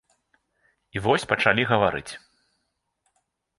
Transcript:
І вось пачалі гаварыць.